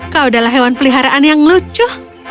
kau adalah hewan peliharaan yang lucu